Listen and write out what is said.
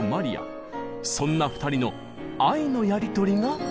そんな２人の愛のやり取りがこちら！